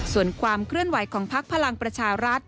ส่วนความเคลื่อนไหวของพักพลังประชารัฐ